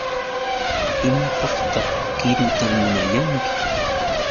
¿Imapaqtaq qiruta munayanki?